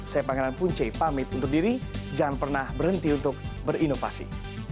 saya pangeran punce pamit untuk diri jangan pernah berhenti untuk berinovasi